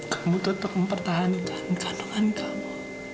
kamu tetap mempertahankan tanaman kamu